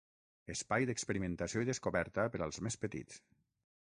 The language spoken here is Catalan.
Espai d'experimentació i descoberta per als més petits.